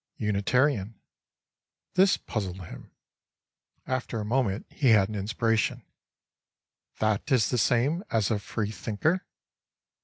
—"Unitarian." This puzzled him. After a moment he had an inspiration: "That is the same as a Free Thinker?"